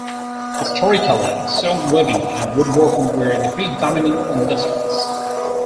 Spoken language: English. Historically, silk weaving and woodworking were the predominant industries.